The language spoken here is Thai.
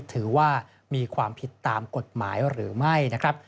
ถือว่ามีความผิดตามกฎหมายหรือไม่นะครับ